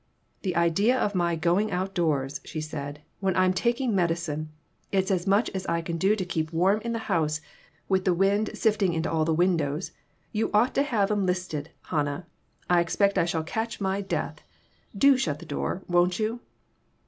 "The idea of my going outdoors," she said, "when I'm taking medicine! It's as much as I can do to keep warm in the house, with the wind sifting into all the windows. You ought to have 'em listed, Hannah ; I expect I shall catch my death. Do shut the door, won't you